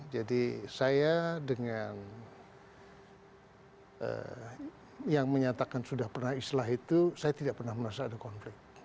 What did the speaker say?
jadi saya dengan yang menyatakan sudah pernah islah itu saya tidak pernah merasa ada konflik